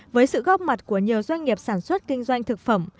với sự góp mặt của nhiều doanh nghiệp sản xuất kinh doanh thực phẩm